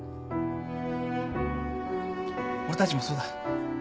俺たちもそうだ。